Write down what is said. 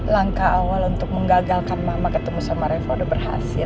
langkah awal untuk menggagalkan mama ketemu sama revado berhasil